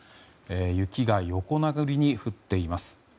雪が横殴りに降っています。